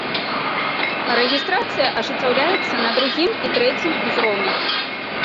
Рэгістрацыя ажыццяўляецца на другім і трэцім узроўнях.